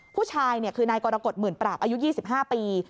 ผู้ชายคือนายกรกฎหมื่นปราบอายุ๒๕ปี